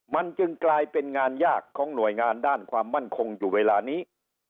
มันจึงกลายเป็นงานยากของหน่วยงานด้านความมั่นคงอยู่เวลานี้